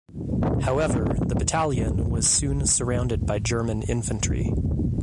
However, the battalion was soon surrounded by German infantry.